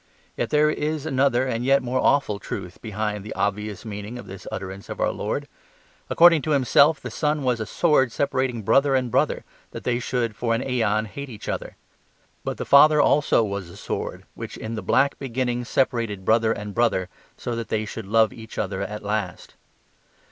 Yet there is another and yet more awful truth behind the obvious meaning of this utterance of our Lord. According to Himself the Son was a sword separating brother and brother that they should for an aeon hate each other. But the Father also was a sword, which in the black beginning separated brother and brother, so that they should love each other at last.